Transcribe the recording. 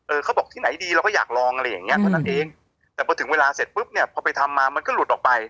เขาบอกที่ไหนดีเราก็อยากลองอะไรอย่างเงี้เท่านั้นเองแต่พอถึงเวลาเสร็จปุ๊บเนี่ยพอไปทำมามันก็หลุดออกไป